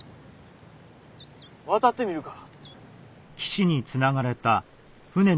渡ってみるか？